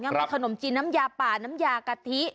มีขนมจีนน้ำยาป่าน้ำยากะทิ